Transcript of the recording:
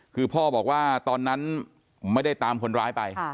คือพ่อบอกว่าตอนนั้นไม่ได้ตามคนร้ายไป